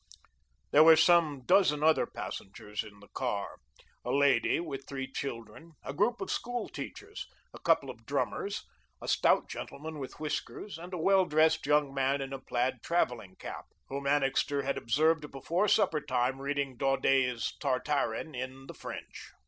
There were some dozen other passengers in the car a lady with three children, a group of school teachers, a couple of drummers, a stout gentleman with whiskers, and a well dressed young man in a plaid travelling cap, whom Annixter had observed before supper time reading Daudet's "Tartarin" in the French.